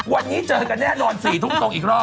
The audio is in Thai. วันนี้เจอกันแน่นอน๔ทุ่มตรงอีกรอบ